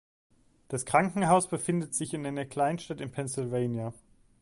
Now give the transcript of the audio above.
Das Krankenhaus befindet sich in einer Kleinstadt in Pennsylvania.